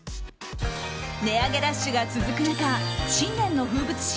値上げラッシュが続く中新年の風物詩